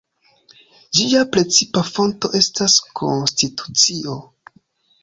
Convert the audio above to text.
Ĝia precipa fonto estas konstitucio.